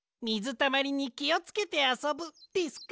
たまりにきをつけてあそぶ」ですか。